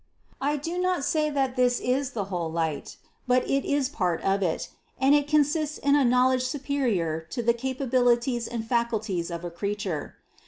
I do not say that this is the whole light, but it is part of it ; and it consists in a knowledge superior to the capabilities and faculties of a creature.